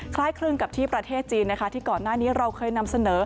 คล้ายคลึงกับที่ประเทศจีนนะคะที่ก่อนหน้านี้เราเคยนำเสนอ